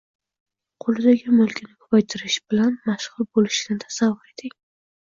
qo‘lidagi mulkini ko‘paytirish bilan mashg‘ul bo‘lishini tasavvur eting!